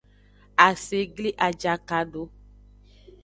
Ase gli ajaka do.